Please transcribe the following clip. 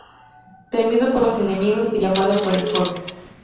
Temido por los enemigos y amado por el pueblo.